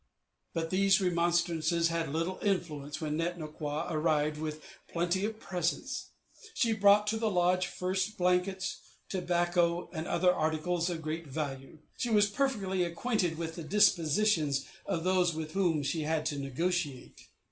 But these remonstrances had little influence when Net no kwa arrived with plenty of presents. She brought to the lodge first blankets, tobacco, and other articles of great value. She was perfectly acquainted with the dispositions of those with whom she had to negotiate.